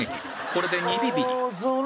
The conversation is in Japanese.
これで２ビビリ